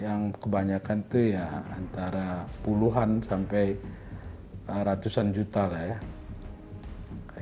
yang kebanyakan itu ya antara puluhan sampai ratusan juta lah ya